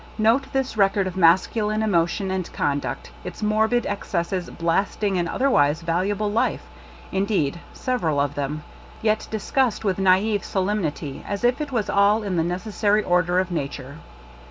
Note this record of masculine emo tion and conduct, its morbid excesses blasting an otherwise valuable life — indeed several of them — yet discussed with naive solemnity as if it was all in the necessary order of nature.